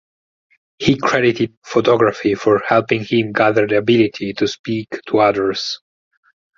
He credited photography for helping him gather the ability to speak to others.